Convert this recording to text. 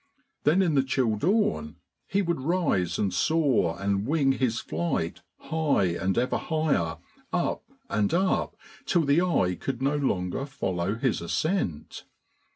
Then in the chill dawn he would rise and soar and wing his flight high and ever higher, up and up, till the eye could no longer follow his ascent.